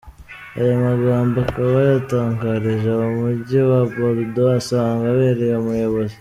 Aya magambo akaba yayatangarije mu mujyi wa Bordeaux asanzwe abereye umuyobozi.